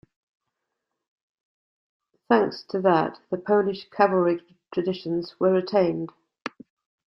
Thanks to that, the Polish cavalry traditions were retained.